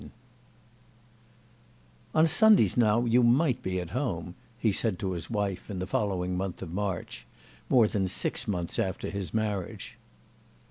V "On Sundays now you might be at home," he said to his wife in the following month of March—more than six months after his marriage.